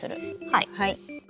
はい。